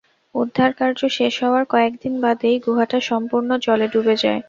উদ্ধারকার্য শেষ হওয়ার কয়েক দিন বাদেই গুহাটা সম্পূর্ণ জলে ডুবে যায়।